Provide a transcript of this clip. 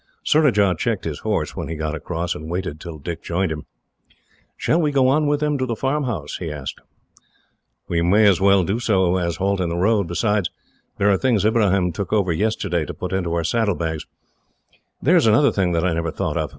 Surajah checked his horse, when he got across, and waited till Dick joined him. "Shall we go on with them to the farmhouse?" he asked. "We may as well do so as halt in the road. Besides, there are the things Ibrahim took over yesterday, to put into our saddlebags. There is another thing that I never thought of.